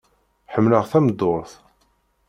Ḥemmleɣ tameddurt.